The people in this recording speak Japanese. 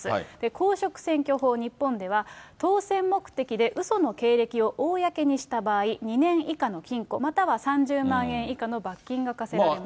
公職選挙法、日本では当選目的で、うその経歴を公にした場合、２年以下の禁錮、または３０万円以下の罰金が科せられます。